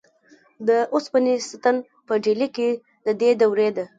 د اوسپنې ستن په ډیلي کې د دې دورې ده.